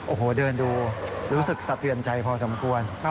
โอ้โหเดินดูรู้สึกสะเทือนใจพอสมควร